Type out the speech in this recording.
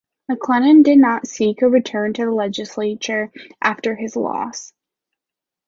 McClellan did not seek a return to the legislature after this loss.